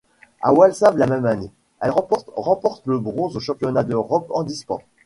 À Walsall la même année, elle remporte remporte le bronze aux Championnats d'Europe handisport.